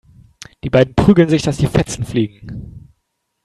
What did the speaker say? Die beiden prügeln sich, dass die Fetzen fliegen.